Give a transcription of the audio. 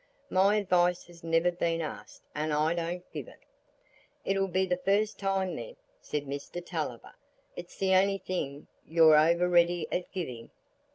"My advice has never been asked, and I don't give it." "It'll be the first time, then," said Mr Tulliver. "It's the only thing you're over ready at giving."